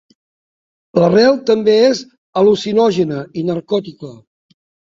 L'arrel també és al·lucinògena i narcòtica.